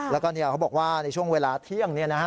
แล้วก็เนี่ยเขาบอกว่าในช่วงเวลาเที่ยงเนี่ยนะฮะ